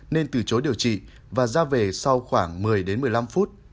nên từ chối điều trị và ra về sau khoảng một mươi đến một mươi năm phút